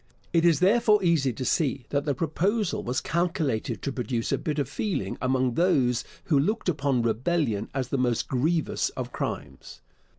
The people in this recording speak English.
It is therefore easy to see that the proposal was calculated to produce a bitter feeling among those who looked upon rebellion as the most grievous of crimes.